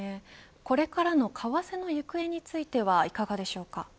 これからの為替の行方についてはいかがでしょうか。